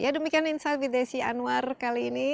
ya demikian insight with desi anwar kali ini